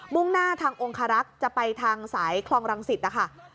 ่งหน้าทางองคารักษ์จะไปทางสายคลองรังสิตนะคะ